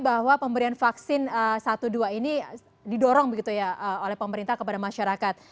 bahwa pemberian vaksin satu dua ini didorong begitu ya oleh pemerintah kepada masyarakat